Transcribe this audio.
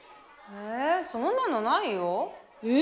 えそんなのないよ。え？